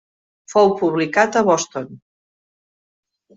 Fou publicat a Boston.